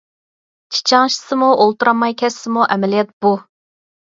چىچاڭشىسىمۇ، ئولتۇرالماي كەتسىمۇ ئەمەلىيەت بۇ.